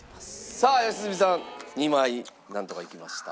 さあ良純さん２枚なんとかいきました。